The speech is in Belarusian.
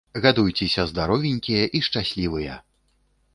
Гадуйцеся здаровенькія і шчаслівыя!